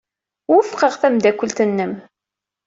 Wufqeɣ tameddakelt-nnem.